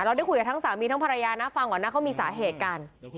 ได้คุยกับทั้งสามีทั้งภรรยานะฟังก่อนนะเขามีสาเหตุกัน